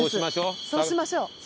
そうしましょう。